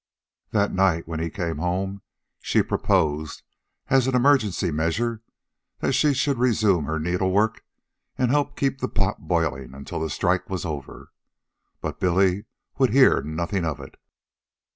That night, when he came home, she proposed, as an emergency measure, that she should resume her needlework and help keep the pot boiling until the strike was over. But Billy would hear nothing of it.